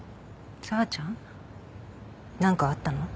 紗和ちゃん？何かあったの？